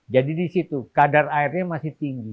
jadi di situ kadar airnya masih tinggi